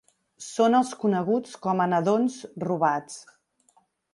Són els coneguts com a nadons robats.